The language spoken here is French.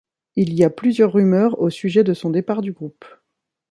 Il y a plusieurs rumeurs au sujet de son départ du groupe.